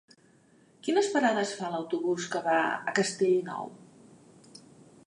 Quines parades fa l'autobús que va a Castellnou?